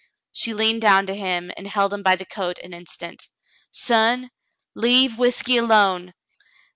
She leaned down to him and held him by the coat an instant, "Son, leave whiskey alone.